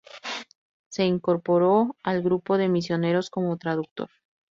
Se incorporó al grupo de misioneros como traductor.